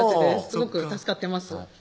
すごく助かってます